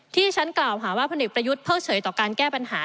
ที่ฉันกล่าวหาว่าพลเอกประยุทธ์เพิ่งเฉยต่อการแก้ปัญหา